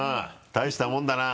大したもんだな。